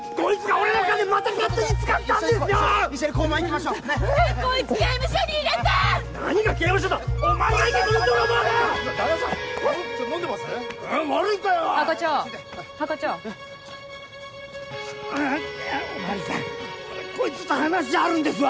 俺こいつと話あるんですわ。